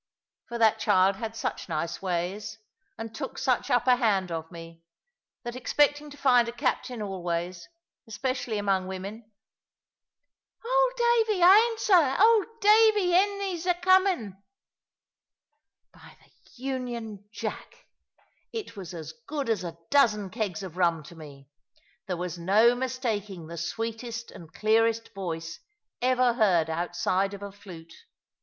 For that child had such nice ways, and took such upper hand of me; that, expecting to find a Captain always, especially among women "Old Davy, I 'ants 'a. Old Davy, 'hen is 'a coming?" By the union jack, it was as good as a dozen kegs of rum to me. There was no mistaking the sweetest and clearest voice ever heard outside of a flute.